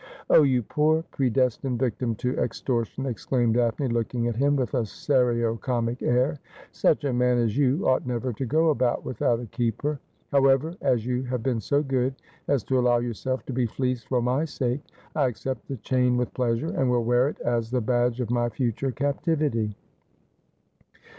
' Oh, you poor predestined victim to extortion,' exclaimed Daphne, looking at him with a serio comic air. ' Such a man as you ought never to go about without a keeper. However, as you have been so good as to allow yourself to be fleeced for my sake, I accept the chain with pleasure, and will wear it as the badge of my future captivity.'